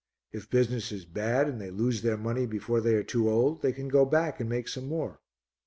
If business is bad and they lose their money before they are too old, they can go back and make some more.